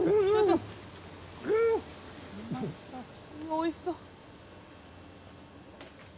おいしそう！